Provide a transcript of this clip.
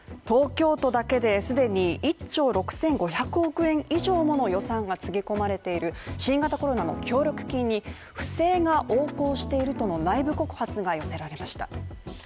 東京都だけで、既に１兆６５００億円以上もの予算がつぎ込まれている新型コロナの協力金に不正が横行しているとの内部告発が寄せられました。